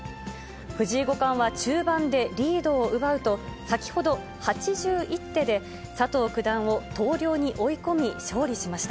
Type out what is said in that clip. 藤井五冠は中盤でリードを奪うと、先ほど、８１手で佐藤九段を投了に追い込み、勝利しました。